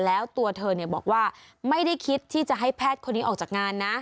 แล้วตัวเธอบอกว่าไม่ได้คิดที่จะให้แพทย์คนนี้ออกจากงานนะ